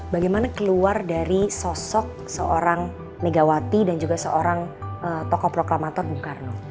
bagaimana keluar dari sosok seorang megawati dan juga seorang tokoh proklamator bung karno